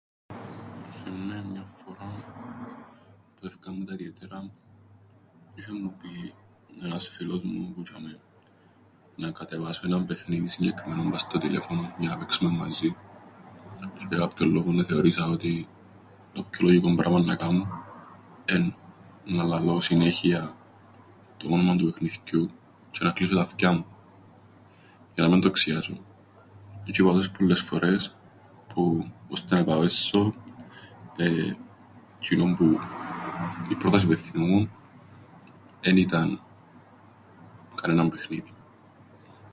Θθυμούμαι μιαν φοράν, που εφεύκαμεν που τα ιδιαίτερα, είσ̆εν μου πει ένας φίλος μου που τζ̆ειαμαί να κατεβάσω έναν παιχνίδιν συγκεκριμένον πά' στο τηλέφωνον για να παίξουμεν μαζίν, τζ̆αι για κάποιον λόγον εθεώρησα ότι το πιο λογικόν πράμαν να κάμω εννά λαλώ συνέχεια το όνομαν του παιχνιθκιού τζ̆αι να κλείσω τα φκια μου, για να μεν το ξιάσω, τζ̆' είπα το τόσες πολλές φορές, που, ώστι να πάω έσσω, εεε... τζ̆είνον που... η πρόταση που εθθυμούμουν εν ήταν κανέναν παιχνίδιν.